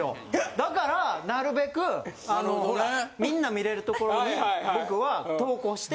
だからなるべくみんな見れる所に僕は投稿して。